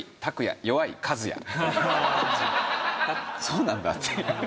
そうなんだっていう。